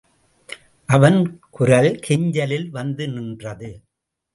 அவன் குரல் கெஞ்சலில் வந்து நின்றது.